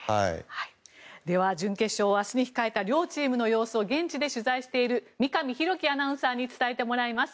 では、準決勝明日に控えた両チームの様子を現地で取材している三上大樹アナウンサーに伝えてもらいます。